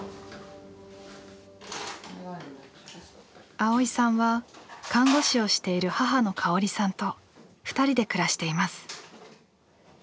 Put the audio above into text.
蒼依さんは看護師をしている母の香織さんと２人で暮らしています。